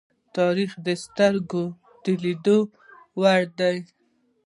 تاریخ د سترگو د لیدو وړ دی.